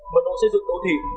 mật độ xây dựng đô thị